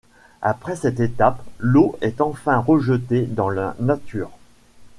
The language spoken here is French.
Après cette étape, l’eau est enfin rejetée dans la nature.